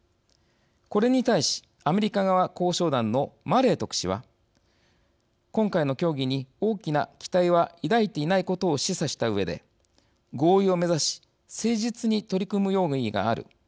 これに対しアメリカ側交渉団のマレー特使は今回の協議に大きな期待は抱いていないことを示唆したうえで「合意を目指し誠実に取り組む用意がある。